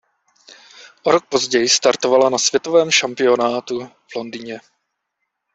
O rok později startovala na světovém šampionátu v Londýně.